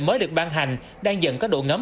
mới được ban hành đang dần có độ ngấm